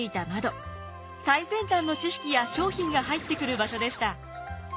最先端の知識や商品が入ってくる場所でした。